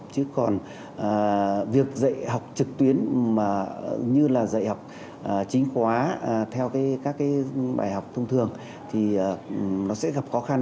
chứ còn việc dạy học trực tuyến mà như là dạy học chính khóa theo các cái bài học thông thường thì nó sẽ gặp khó khăn